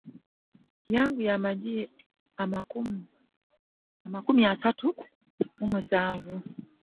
Yaggyayo amagi amakumi asatu mu musanvu.